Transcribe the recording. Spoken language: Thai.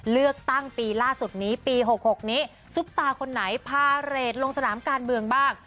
เลือกตั้งปีล่าสุดนี้ปี๖๖นี้ซุปตาคนไหนพาเรทลงสนามการเมืองบ้าง